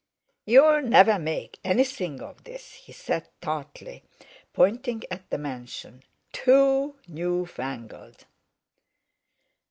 "You'll never make anything of this!" he said tartly, pointing at the mansion;—"too newfangled!"